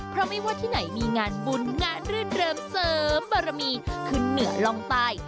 เพราะไม่ว่าที่ไหนมีงานบุญงานรื่นเริงเสริมบารมีขึ้นเหนือลองตาย